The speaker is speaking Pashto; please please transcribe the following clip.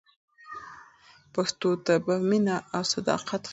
پښتو ته په مینه او صداقت خدمت وکړئ.